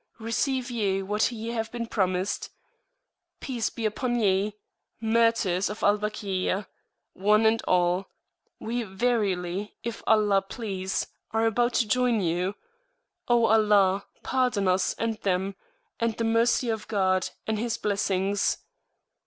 Receive Ye what Ye have been promised! Peace be upon Ye, Martyrs of Al Bakia, One and All! We verily, if Allah please, are about to join You! O Allah, pardon us and Them, and the Mercy of God, and His Blessings!